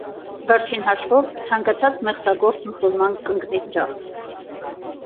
Վերջին հաշվով, ցանկացած մեղսագործ մուսուլման կընկնի դրախտ։